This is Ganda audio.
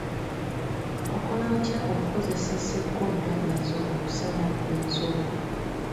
Okola otya okukozesa sekonda ezo okusala ensalo?